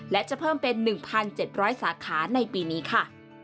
และจะเพิ่มเป็น๑๗๐๐สาขาในปีนี้ค่ะ